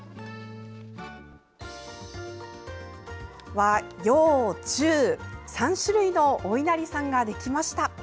和洋中、３種類のおいなりさんができました。